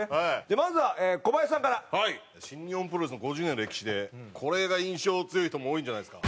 新日本プロレスの５０年の歴史でこれが印象強い人も多いんじゃないですか？